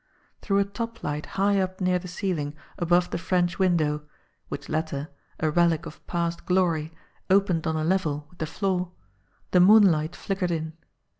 Through a top light high up near the ceiling above the French window, which latter, a relic of past glory, opened on a level with the floor, the moonlight flickered in.